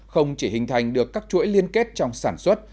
không chỉ hình thành được các chuỗi liên kết trong sản xuất